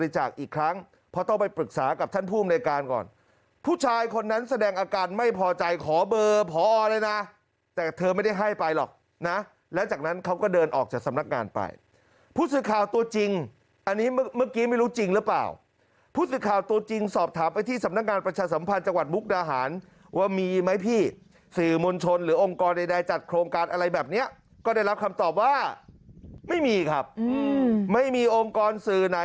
จากอีกครั้งเพราะต้องไปปรึกษากับท่านผู้บริการก่อนผู้ชายคนนั้นแสดงอาการไม่พอใจขอเบอร์พอเลยนะแต่เธอไม่ได้ให้ไปหรอกนะแล้วจากนั้นเขาก็เดินออกจากสำนักงานไปผู้สื่อข่าวตัวจริงอันนี้เมื่อกี้ไม่รู้จริงหรือเปล่าผู้สื่อข่าวตัวจริงสอบถามไปที่สำนักงานประชาสัมพันธ์จังหวัดมุกดาหารว่ามีไหมพี่สื่